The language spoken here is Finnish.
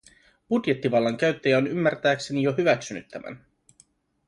Budjettivallan käyttäjä on ymmärtääkseni jo hyväksynyt tämän.